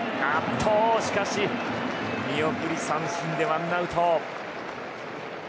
しかし見送り三振でワンアウト。